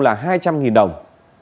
là hai trăm linh đồng